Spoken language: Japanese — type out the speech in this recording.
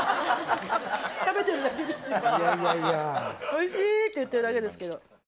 おいしいって言ってるだけですけど。